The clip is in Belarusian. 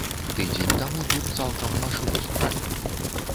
Тыдзень таму тут цалкам машыну скралі.